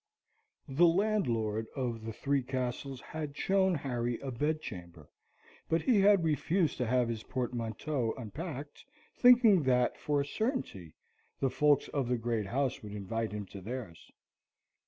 The landlord of the Three Castles had shown Harry a bedchamber, but he had refused to have his portmanteaux unpacked, thinking that, for a certainty, the folks of the great house would invite him to theirs.